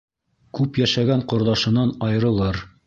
Күп йәшәгән ҡорҙашынан айырылыр.